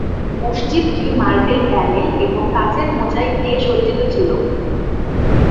মসজিদটি marble panel এবং কাচের মোজাইক দিয়ে সজ্জিত ছিল।